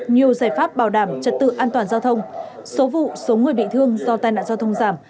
nhiều giải pháp bảo đảm trật tự an toàn giao thông số vụ số người bị thương do tai nạn giao thông giảm